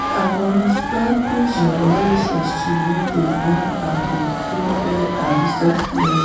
افغانستان کې ژورې سرچینې د نن او راتلونکي لپاره ارزښت لري.